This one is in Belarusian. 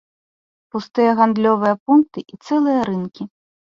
Пустыя гандлёвыя пункты і цэлыя рынкі.